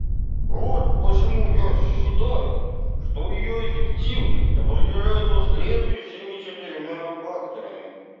Вот почему я считаю, что ее эффективность определяется следующими четырьмя факторами.